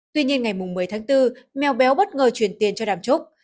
tuy nhiên ngày mùng một mươi tháng bốn mèo béo bất ngờ truyền tiền cho đàm trúc